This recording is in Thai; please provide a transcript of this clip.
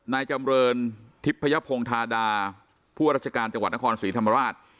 นายจำเรินทิพยพงธาดาผู้ราชการจังหวัดนครศรีธรรมราช